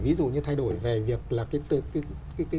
ví dụ như thay đổi về việc là cái